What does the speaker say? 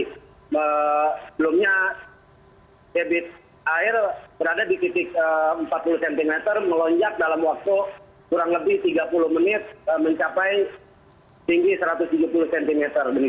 sebelumnya debit air berada di titik empat puluh cm melonjak dalam waktu kurang lebih tiga puluh menit mencapai tinggi satu ratus tujuh puluh cm